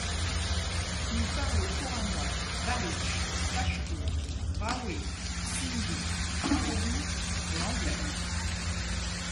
Il parle couramment baloutche, pachtoune, brahoui, sindhi, ourdou et anglais.